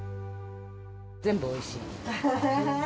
全部おいしい。